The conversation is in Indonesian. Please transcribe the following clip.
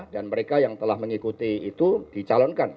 dan mereka yang telah mengikuti itu dicalonkan